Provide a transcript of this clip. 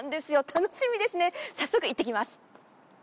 楽しみですね早速いってきます。